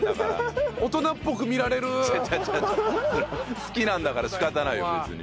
好きなんだから仕方ないよ別に。